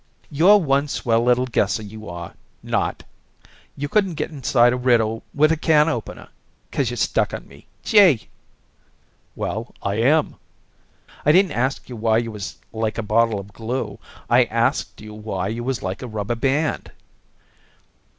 "You're one swell little guesser, you are not. You couldn't get inside a riddle with a can opener. 'Cause you're stuck on me! Gee!" "Well, I am." "I didn't ask you why you was like a bottle of glue. I asked you why you was like a rubber band."